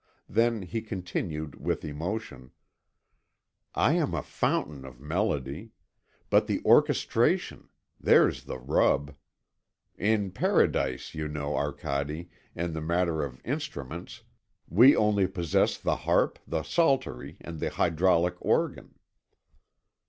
Then he continued with emotion: "I am a fountain of melody. But the orchestration! there's the rub! In Paradise, you know, Arcade, in the matter of instruments, we only possess the harp, the psaltery, and the hydraulic organ."